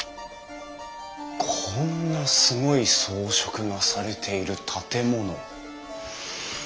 こんなすごい装飾がされている建物。